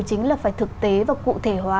chính là phải thực tế và cụ thể hóa